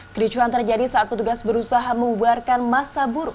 kericuhan terjadi saat petugas berusaha membuarkan masa buruh